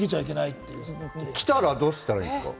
来たらどうしたらいいんですか？